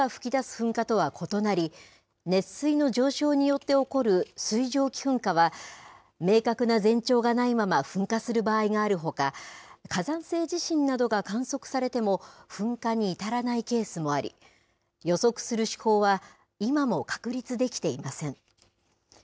噴火とは異なり、熱水の上昇によって起こる水蒸気噴火は、明確な前兆がないまま噴火する場合があるほか、火山性地震などが観測されても、噴火に至らないケースもあり、予測する手法は今も確立できていません。